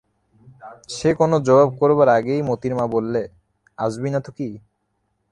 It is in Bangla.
সে কোনো জবাব করবার আগেই মোতির মা বললে, আসবি না তো কী?